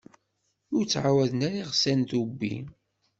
Ur ttɛawaden ara iɣsan tubbwi.